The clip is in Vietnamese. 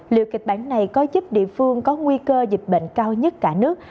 liệu kịch bản này có giúp địa phương có nguy cơ dịch bệnh cao nhất cả nước